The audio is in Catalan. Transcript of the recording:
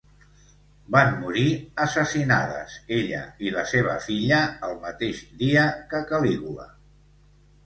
Van morir assassinades, ella i la seva filla el mateix dia que Calígula.